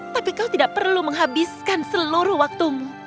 tapi kau tidak perlu menghabiskan seluruh waktumu